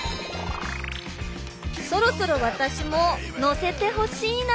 そろそろ私も乗せてほしいな。